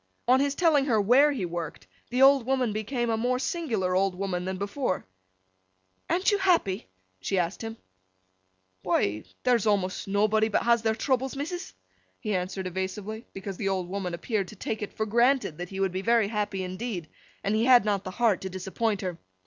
On his telling her where he worked, the old woman became a more singular old woman than before. 'An't you happy?' she asked him. 'Why—there's awmost nobbody but has their troubles, missus.' He answered evasively, because the old woman appeared to take it for granted that he would be very happy indeed, and he had not the heart to disappoint her.